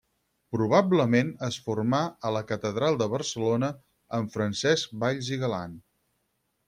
Probablement es formà a la catedral de Barcelona amb Francesc Valls i Galan.